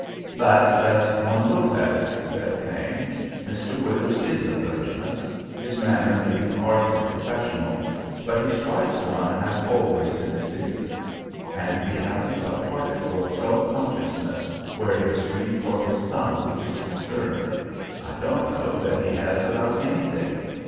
"That's as one looks at it," said Thane. "Mr. Withers is a clergyman; his manner may be partly professional, but he strikes one as always sincere. And he hasn't a particle of self consciousness where his grief for his son is concerned. I don't know that he has about anything.